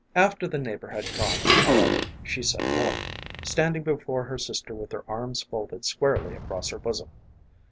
After the neighbor had gone, however, she said more, standing before her sister with her arms folded squarely across her bosom.